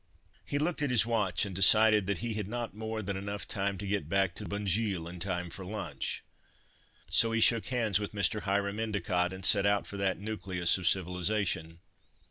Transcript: He looked at his watch and decided that he had not more than enough time to get back to Bunjil in time for lunch. So he shook hands with Mr. Hiram Endicott and set out for that nucleus of civilisation.